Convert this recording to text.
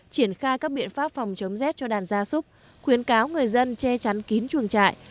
triển khai các biện pháp phòng chống rét cho đàn gia súc khuyến cáo người dân che chắn kín chuồng trại